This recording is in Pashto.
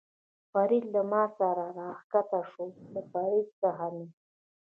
فرید له ما سره را کښته شو، له فرید څخه مې.